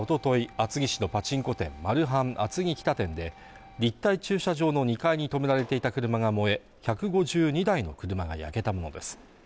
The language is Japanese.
厚木市のパチンコ店マルハン厚木北店で立体駐車場の２階に止められていた車が燃え１５２台の車が焼けたものです